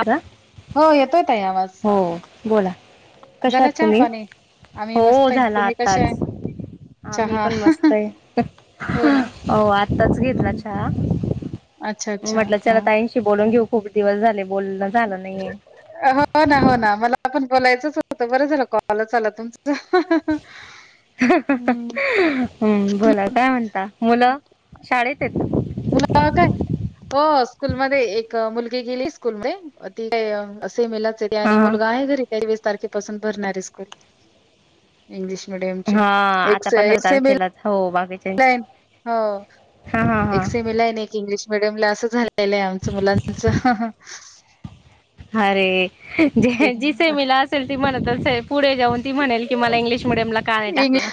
आधा? हो येतोय ताई आवाज. बोला कशा झाला आाहात चहा तुम्ही पाणी? आम्ही हो मस्त आहे. झाला तुम्ही कशा आताच आहे? हा मी चहा पण मस्त आहे हो ना. हो आत्ताच घेतला हम्म. चहा अच्छा अच्छा म्हटलं चला हा. ताईंशी बोलून घेऊ, खूप दिवस झाले बोलण झालं नहीेये. हो ना, हो ना, मला पण बोलायचंच होतं, बरं झालं कॉलच आला तुमचा हं हं! हं बोला काय म्हणता मुलं शाळेत? आहेत मुला काय [unintelligible] हो स्कूलमध्ये, एक मुलगी गेली स्कूल मधे ति काय असं सेमी लाच आहे ती, हा आणि मुलगा हा आहे घरी, त्याची वीस तारखेपासून भरणार हे स्कूल इंग्लिश मिडीयम चे हा एक आता से पंधरा एक सेमीला तारखेलाच हो बाकीच्यांची प्ल्यान, हो हा हा हा एक सेमी ला हे न एक इंग्लिश मिडियम ला अस झा लय आमचं मुलांच अरे जे जि सेमीला असेल ती म्हणत पुढे जाऊन ती म्हणेल की मला इंग्लिश मिडियमला का नाही टाकलं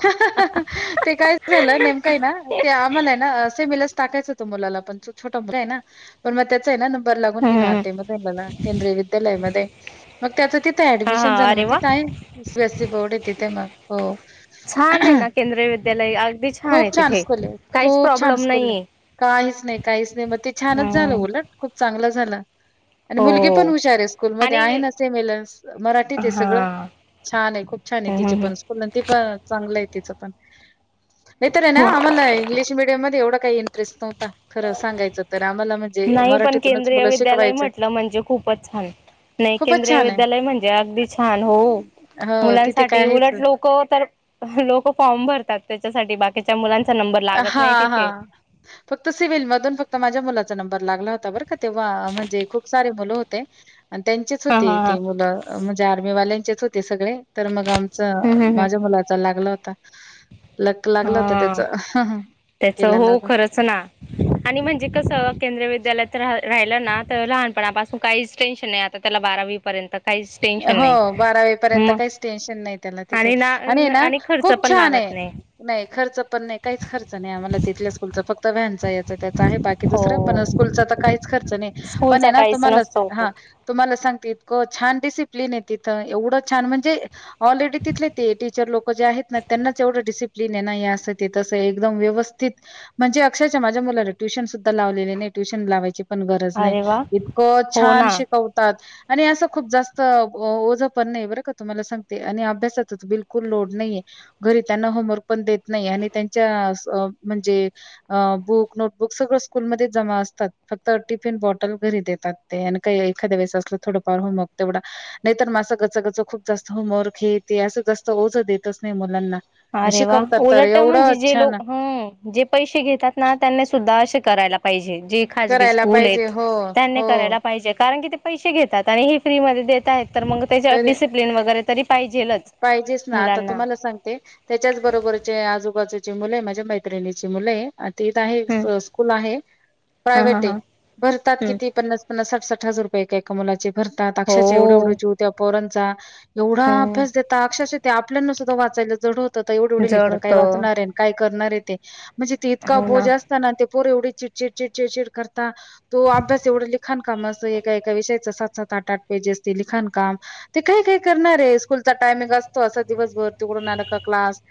ते काय झालं नेमकाय ना ते आम म्हाला ये ना सेमिलाच टाकायचं होत मुलाला पण, तो छोट मुलगा आहे ना पण मग त्याच आहे न बरं लागून गेला हम्म आरटी मधेला केंद्रीय विद्यालय मध्ये त्याचं तिथं हा ऍडमिशन हा झालं मग अरे वा तिथ आहे सी बीसी बोर्ड य तिथ मग हो छान आहे ना केंद्रीय विद्यालय अगदी छान खूप आहे चाान्स तिथे करले. काहीच खूप छान प्रॉब्लेम स्कूल हे नाहीये काहीच नाही काहीच नाही म ते छानच झालं हम्म उलट खूप चांगल. चांगला झाला आणि मुलगी पण हो हुशार आहे, स्कूलमध्येध आणि आहे ना सेमीला मराठीत आहे सगळं हा छान आहे, खूप छान आहे तिचे हम्म पण स्कूल, ती पण चांगलं आहे तिचं पण. नाहीतर आहे ना हो आमला इंग्लिश मिडियम मध्ये एवढं काही इंटरेस्ट नव्ह खरं सांगायचं तर आम्हाला म्हणजे नाही पण मराठीतूनच केंद्रीय मुलं विद्यालय शिकवायचं. म्हटलं म्हणजे खूपच छान नाही केंद्रीय विद्यालय म्हणजे अगदी छान हो हो, तिथे मुलांसाठी काहीच उलट लोक तर लोक फॉर्म भरतात त्या साठी बाकीच्या मुलां हा हा फक क्त सिव्हिल मधून फक्त माझ्या मुलाचा नंबर लागला होता बरं का तेव्हा, म्हणजे खूप सारे मुलं होते आणि त्यांचेच हा होते हा हा ते मुलं म्हणजे आर्मीवाल्यांचेच होत ते सगळे तर मग आमच, हम्म हम्म माझ्या हम्म मुलाचा लागला होता लक लागलं होत त्यांच हा त्याच हो खरच ना, आणि म्हणजे कसं केंद्रीय विद्यालयात रा राहिलं ना तर लहानपणापासून काहीच टेन्शन नाही, आता त्याला बारावीपर्यंत. हो बारावी पर्यंत काहीच टेन्शन नाही त्याला तिथे, आणि ना आणि ना खर्च खूप पण छान लागत हे. नाही. नाही खर्च पण नाही काहीच खर्च नाही आम्हाला तिथल्या स्कूलचा फक्त व्हॅनचा याच त्यांचा आहे, बाकी हो दुसर पण स्कूलचा तर काहीच खर्च नाही, पण स्कूलचा आहे ना काहीच तुम्हाला नसतो. हा तुम्हाला सांगते इतके छान डीसी किलीन तिथं एवढं छ म्हणजे ऑलरेडी तिथले ते टीचर लोक जे आहेत ना त्यांनाच एवढं डिसिप्लिन. जीने ना हे असे तसे एकदम व्यवस्थित म्हणजे अक्षरशः माझ्या मुलाला ट्युशन सुद्धा लावलेली नाही. ट्युशन लावायची पण गरज नाही अरे वा इतकं हो छान ना शिकवतात आणि असे खूप जास्त, ओझ पण नाही बर का तुम्हाला सांगते आणि अभ्यासा बिलकुल लोड नाहीे घरी त्यांना होमवर्क पण देत नाहीये आणि त्यांच्या असं म्हणजे अ बुक नोटबुक सगळंच पूर्ण. ज असतात फक्त टिफिन बॉटल घरी देतात ते आणि काही एखाद्या वेळे असलं थोडंफार होमवर्क, तेवढा नाही तरर माझं गचगच खूप जास्त होमवर्क हे ते असं जास्त ओझं देतच नाही मुलांना. आणि अरे वा शिकवतात तर उलट म्हणजे एवढं जे छान लोक ह जे पैसे घेतात ना त्यांनी सुद्धा असे, जे खाजगी करायला स्कूल पाहिजे आहेत हो, त्यांनी करायला हो. पाहिजे कारण की, पैसे घेतात आणि हे फ्री मध्ये देत आहेत. तर मग त्याच्यावर तरी डिसिप्लिन वगैरे तरी पाहिजेलच पाहिजेच ना आता मुलांना. तुम्हाला सांगते त्याच्याच बरोबरचे आजूबाजूची मुलं आहे माझ्या मैत्रिणीची मुलं आहे. आता इथ आहे हम्म स्कूल आहे हा हा प्रायव्हेट आहे हा भरतात हम्म किती पन्नास पन्नास साठ साठ हजार रुपये एकामलाचे भरतात अक्षरांच्या एवढे हो एवढा जीव त्याचा पोरांचा, एवढा अभ्यास हम्म देता अक्षरशेते आपल्यांना सुद्धा वाचायला जड होतं तर एवढं एवढे जड लेकर होत काही वाचणार आहे. काय करणारे ते म्हणजे इतका बोजा असतं ना ते, पोर एवढी चिडचिड चिड चिडचिड करता तो अभ्यास एवढं लिखाण काम असं एका एका विषयाच सात सात आठ पेजेस ते लिखाण, का ते काही काही करणार आहे स्कूलचा टायमिंग असतो असे दिवसभर तिकडून का क्लास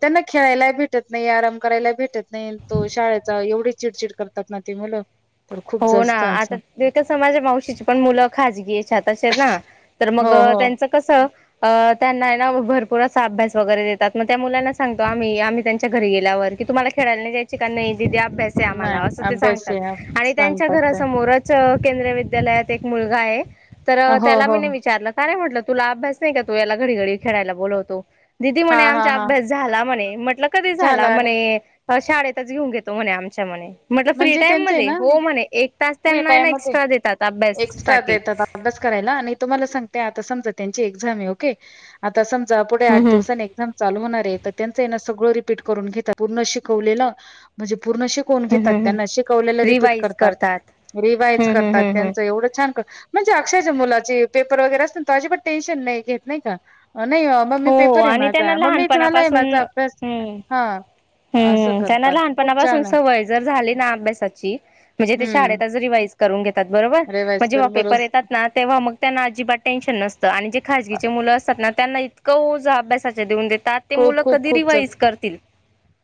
त्यांना खेळायला भेटत नाही, आराम करायला भेटत नाही, तो शाळेचा एवढीच चिडचिड करतात ना ते मुलं. तर खूप हो ना जास्त असं आता एका समाजा मावशीची पण मुलं खाजगी याच्याात असे आहेत ना! तर हो मग हो त्यांच कस. त्यांना ना भरपूर असा अभ्यास वगैरे देतात मग त्या मुलांना सांगतो आम्ही आम्ही त्यांच्या घरी गेलो. की तुम्हाला खेळायला जायची का नाही. दिदी अभ्यास आहे, आम्हाला नाही असं ते अभ्यास आहे सांगतात आणि त्यांच्या सांगतात ते घरासमोरच केंद्रीय विद्यालयात एक मुलगा आहे तर हो त्याला हो मी विचारलं काय म्हटलं, तुला अभ्यास नाही का तू याला घडी घडी खेळायला बोलवतो. दिदी हा म्हणे हा आमचा हा अभ्यास झाला म्हणे, म्हटलं कधी झाला म्हणे, शाळेतच घेऊन घेतो म्हणे आमच्या म म्हट फ्री. म्हणजे टाइम त्यांचं मध्ये ना हो म्हणे एक तास त्यांना आहे ना फ्री एक्स्ट्रा देतात अभ्यास एक्स्ट्रा साठी देतात अभ्यास करायला आणि तो. तुम्हाला सांगते त्यांची समजा आता एक्झाम आहे, ओके! हम्म आठ हम्म. दिवसांनी एक्झाम चालू होणार त्यां सगळं रिपीट करून घेता पूर्ण शिकवले म्हणजे, पूर्ण शिकवून हम्म घेतात हम्म हम्म त्यांना शिकवलेलं रिपीट करतात. रिवाइज हम्म हम्म करतात हम्म हम्म त्यांच एवढं छान कर म्हणजे, अक्षयच्या मुलाची पेपर वगैरे असत ना तो अजिबात टेन्शन नाही घेत नाही का? नाही मम्मी हो पेपर आहे आणि त्यांना माझा मम्मी झालाय लहानपणापासून माझा अभ्यास हम्म हा असं हम्म त्यांना करतात खूप लहानपणापासून छान आहे. सवय जर झाली. अभ्यासाची म्हणजे ते हम्म शाळेतच रिवाइज करून घ बरोबर मग रिवाइज कर जेव्हा पेपर बरोबर येतात ना तेव्हा मग त्यांना अजिबात टेन्शन नसतं आणि जे खागीचे मुलं अस त्यांना इतकं ओ अभ्यासा देऊन देतात ते खूप मुलं खूप कधी खूप रिवाइज करतील,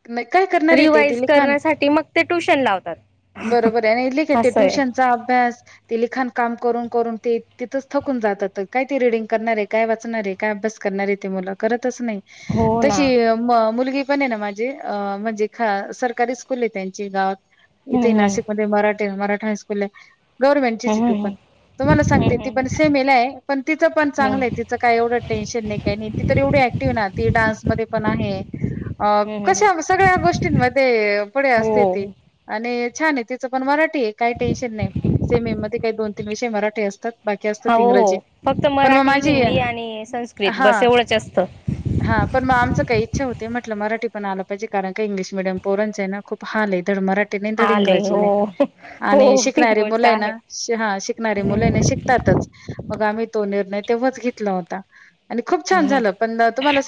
नाही काय करणार आहे ते, ते रिव्हाइज लिखाण करण्यासाठी मग ते ट्युशन लावतात. बरोबर आहे आणि लिखे ते असं आहे ट्युशनचा अभ्यास ते लिखान काम करून करून ते तिथंच थकून जातात काय ते रीडिंग करणार आहे, काय वाचणार आहे, काय अभ्यास करणार आहे, ते करतच नाही हो ना तशी मु मुलगी पण माझे म्हणजे सरकारी स्कूल आहे, त्यांची गावात इथे हम्म हम्म नाशिकमध्ये मरा मराठा हायस्कूल ला गव्हर्नमेंट तेच हम्म ते पण हम्म तुम्हाला सांगते ती पण हम्म सेमेल आहे पण तिचं प हम्म चांगलं आहे तिचं काय एवढं टेन्शन नाही काही नाही ती तर एवढं क्टिव ना! ती पण आहे अ हम्म हम्म कशा सगळ्या गोष्टींमध्ये पुढे हो असते ती आणि छान आहे तिचं पण मराठी आहे काही टेन्शन नाही सेमे मध्ये काही दोन तीन विषय मराठी असतात बाकी असतात हो हो इंग्रजी. फक्त पण मग मराठी माझी हिंदी आणि संस्कृत बस एवढंच असत पर ममचं काही इच्छा होते म्हट मराठी पण आलं पाहिजे कारण का इंगलिश मिडयम पोरंच आहे ना खूप हल आहे मरा नाही थडी आले अंग्रजीने हो आणि हो ही शिकणारी गोष्ट मुलं ना आहे हा शिकणारी मुलं ना हम्म शिकतातच मग आम्ही तो निर्णय तेव्हाच घेतला होता आणि खूप छान झाला हम्म पण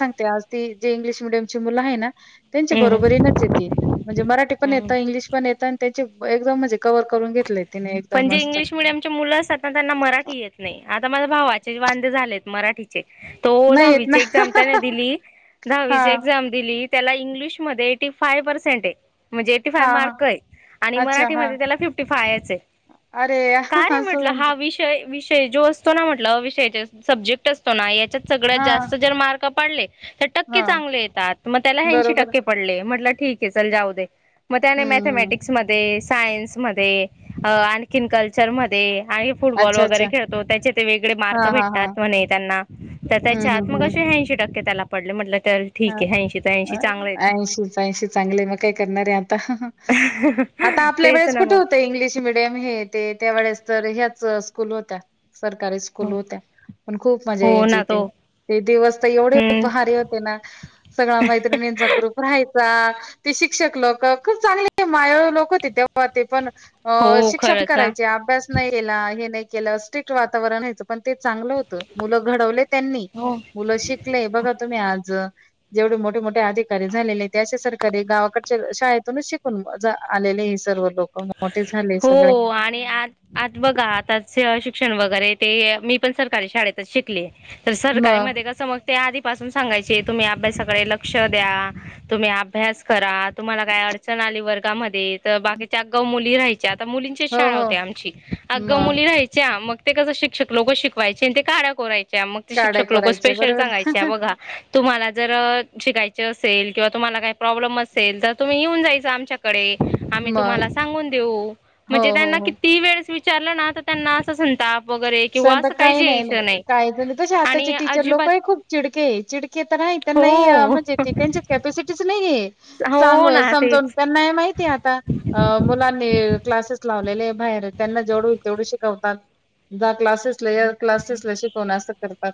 आजी जे इंग्लिश मिडियमची मुलं आहे ना त्यांच्या बरोबरीच म्हणजे मराठी पण येत हम्म इंग्लि पण येत एकदम म्हणजे कववर करून घेतले पण जे इंग्लिश मिडियम मुलं असतात ना त्यांना मराठी येत नाही आता माझ्या भावाचे वांदे झालेत मराठी तो नाही येत ना. दहावीची एक्झाम त्याने दिली दहावीची हां, एक्झाम दिली त्याला इंग्लिशमध्ये एटी फाय पर्सेंट आहे म्हणजे एटी फाय हां, हां. मार्क आहे आणि अच्छा हां. मराठीमध्ये त्याला फिफ्टी फायच आहे अरे काय नाही असं म्हटलं हा म्हणतो. विषय विषय जो असतो ना म्हटलं विषयाचा सब्जेक्ट असतो ना याच्यात सगळ्यात हां, जास्त जर मार्क पडले तर टक्के हां. चांगले येतात मग त्याला ऐंशी बरोबर. टक्के पडले म्हटलं ठीक आहे चल जाऊ दे मग त्याने हं, हं. मॅथमॅटिक्समध्ये सायन्समध्ये आणखीन कल्चरमध्ये आणि फुटबॉल अच्छा, अच्छा. वगैरे खेळतो त्याचे ते वेगळे हां, मार्क हां, हां. भेटतात म्हणे त्यांना तर हं, त्याच्या आत मग अ असे ऐंशी टक्के त्याला पडले म्हटलं तर हा ठीक आहे ऐंशी तर ऐंशी चांगले आहेत ऐंशीच ऐंशी चांगले मग काय करणार आहे आता आता आपल्या तेच वेळेस ना कुठे होत मग इंग्लिश मिीडियम हे ते त्यावेेळेस तर ह्याच स्कूल होत्या सरकारी स्कूल होत्या पण खूप मजा हो यायची ना तेे तो ते दिवस तर एवढे हम्म भारी होते ना सगळा मैत्रिणींचा ग्रुप राहायचा ते शिक्षक लोक खूप चांगली माय लोक होते तेव्हा ते पण अ हो शिक्षण खरंच हा करायचे अभ्यास नाही केला हे नाही केलं स्ट्रिक्ट वातावरण व्यायचं पण ते चांगलं होत मुलं घडवले त्यांनी हो मुलं शिकले बघा तुम्ही आज जेवढे मोठे मोठे अधिकारी झालेले त्या सरकारी गावाकडच्या शाळेतूनच शिकून आलेले नाही सर्व लो हो आणि आज आज बघा आताचे अ शिक्षण वगैरे ते मी पण सरकारी शाळेतच शिकले तर सरकारी म मग का सम त्या आधीपासून सांगायचे तुम्ही अभ्यासाकडे लक्ष द्या तुम्ही अभ्यास करा तुम्हाला काय अडचण आली वर्गामध्ये तर बाकी मुली राहायच्या आता मुलींच्या हो शाळा हो होते आमची अग मग मुली राहायच्या मग ते कसं शिक्षक लोक शिकवायचे आणि ते काड्या करायचे मग काड्या शिक्षक लोक करायच्या स्पेशल बरोबर सांगायचे बघा तुम्हाला जर शिकाय असेल किंवा तुम्हाला काही प्रॉब्लेम असेल तर तुम्ही येऊन जायच आमच्याकडे. मग तुमाला सांगून देऊ हो म्हणजे हो त्यांना हो किती वेळेसं विचारल ना. त्यांना असं- संताप वगैरे किंवा असं [unintelligible] काही जे नाही यायचं नाही काहीच नाही त आताचे आणि टीचर लोक अजिबात आहे खूप चिडके चिडके. नाही हो त्यांना म्हणजे त्यांच्यात कॅपसिटीच नाहीय. सांग हो ना समजून तेच त्यांना माहिती आता मुलानी क्लासेस- लावलेले बाहेर त्यांना जेवढ होईल तेवढे शिकवतात. जा क्लासेसला या क्लासेसला शिकवण असं करतात.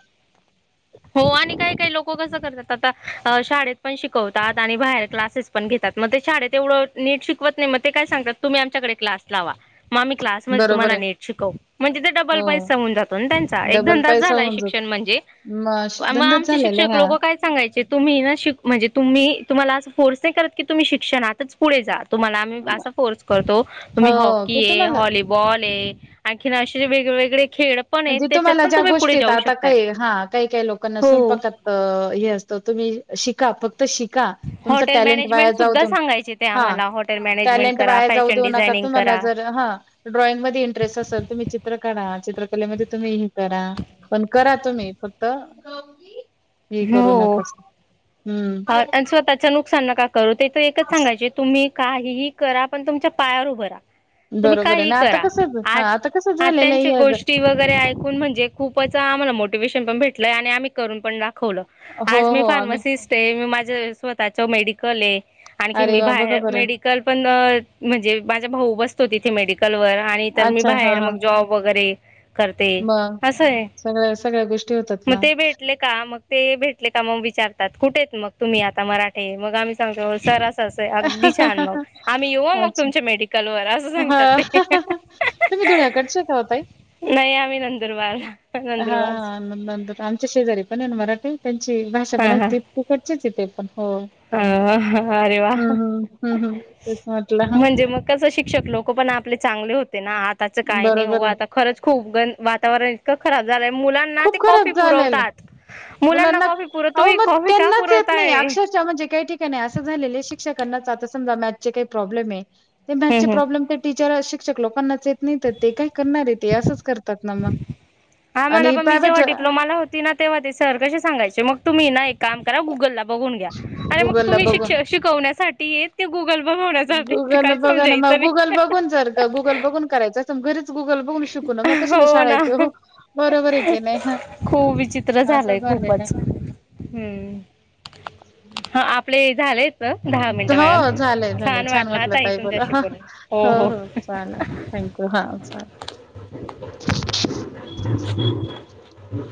हो आणि काही काही लोक कसं करतात आता शाळेत पण शिकवतात आणि बाहेर क्लासेस पण घेतात. मग ते शाळेत तेवढं नीट शिकवत नाहीत. मग ते काय सांगतात तुम्ही आमच्याकडे क्लास लावा. आम्ही क्लासमध्ये बरोबर तुम्हाला आहे नीट शिकवतो म्हणजे ते डबल हो पैसा होन जातो ना त्यांचा एक डबल धंदाच पैसा झालाय होऊन शिक्षण. जातो म्हणजे म धंदाच आमचे झालेला आहे शिक्षक हा लोक काय सांगायचे तुम्ही आहे ना तुमी. की तुम्हाला अस फोर्स नाही करत की तुम्ही शिक्षणतच पुढे जात. तुम्हाला मी असा फोर्स करतो हो तुम्ही ते हॉकी आहे, तुम्हाला व्हॉलीबॉल आहे. आणखी असे वेगवेगळे.. खेळ पण आहेत म्हणजे त्याच्यात तुम्हाला पण ज्या तुम्ही पुढे गोष्टीत जाऊ आता शकतात काही हा काही काही लोक.. काहींना हो स्वयंपाकात हे... असत. तुम्ही शिका फक्त. शिका तुमचं हॉटेल टॅलेंट वाया मॅनेजमेंट जाऊ सुद्धा सांगायचे ते आम्हाला हॉटेल मॅनेजमेंट करा फॅशन देऊ नका. डिझायनिंग तुमाला करा जर ड्रायइंग मज इंटरेस्ट असेल. तर चित्र काढा. चित्रकलेमध्ये- तुम्ही हे करा. पण करा तुम्ही फक्त. हे करू हो नका हम्म आणि स्वतःच्या नुकसान नका. करू ते तर एकच सांगायचे तुम्ही काहीही करा पण तुमच्या पायावर उभं राहा. तुम्ही बरोबर आहे काही ना आता करा कसं हा आज. आता कसं आ झालेलं आहे त्यांच्या हे ग- गोष्टी वगैरे ऐकून म्हणजे खूपच आम्हाला मोटिवे्शन पण भेटत. आनी करून पण दाखवल. हो आज मी हो आम्ही फार्मिंसिस्ट आहे. स्वतः मेडिकल आहे आणि अरे मी वा बघा बाहेर बरं मेडिकल पण म्हणजे बाकी चे. माझ भाऊ बसतो तिथे मेडिकल वर आणि तर मी अच्छा हा बाहेर हा मग जॉब वगैरे. करते मग असं आहे सगळ्या सगळ्या गोष्टी होतात मग ना ते भेटले का मग. ते का मग विचारतात कुठे मग तुम्ही आता मराठे मग आम्ही सांगतो सर. आहे अगदी छान मग आम्ही येऊ मग अच्छा तुमच्या मेडिकल वर असं सांगतात हां. ते. धुळ्याकडच्या का आहेत का ओ ताई. नाही आमही नंदुरबार. हा नंदुरबार हा नंतर आमच्या शेजारी पण आहे ना मराठी. त्यांची भाषा हा पण त तकटचेच येते. हा अरे वा! हं, हं. हं, हं. तेच म्हटलं हां. म्हणजे मग कस शिक्षक लोक पण आपल्या. चांगले होते ना आताच काही नाही हो बरोबर आहे. आता खरंच खूप ग वातावरण इतकं खराब झालं. मुलांना ते खूप कॉफी खराब झालेलं पुरवतात. आहे. मुलांना कॉफी पुरव तू अहो मग कॉफी का त्यांनाच येत नाही. पुरवताय अक्षरशः म्हणजे काही ठिकाणी असं झालाय शिक्षकानाचा आता समजा मॅथ्स चे काय प्रॉब्लेम आहेत. मॅथ्स चे हम् हम प्रॉब्लेम - बिचार शिक्षक लोकांनाच येत नाही. तर ते काही करणार आहे ते असंच करतात ना मग. मला आणि प मी जेव्हा प्रायव्हेट डप्लोमाला होती ना तेव्हा ते सर कसे सांगायचे मग तुम्ही नाही काम करा गुगलला. बघून घ्या आणि मग तुमी बघून शिक्षक शिकवण्यासाठी गुगल ला. गल्ब होवण्यास गुगल काही बघा ना मग समजायचं गुगल नाही. बघून जर का गुगल बघून करायचं असं घरीच गुगल बघून शिकू ना मग कशाला हो ना शाळेत येऊ. हो बरोबर आहे की नाही ह खूप विचित्र असं झालंय. झालेलं खूपच हम्म.. हा आपले. झालेत दहा मिनिटं हो झालंय.. मॅडम झालंय.. छान वाटलं हा वाटल ताई बोलून. तुमच्याशी हो.. हो.. चालेल. हा. हम्..